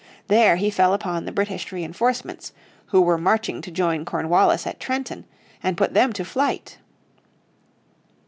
There he fell upon the British reinforcements, who were marching to join Cornwallis at Trenton, and put them to flight.